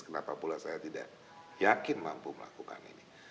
kenapa pula saya tidak yakin mampu melakukan ini